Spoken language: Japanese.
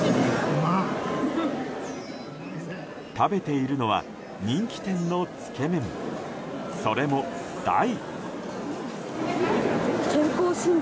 食べているのは人気店のつけ麺、それも大。